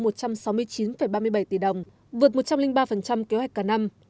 một trăm sáu mươi chín ba mươi bảy tỷ đồng vượt một trăm linh ba kế hoạch cả năm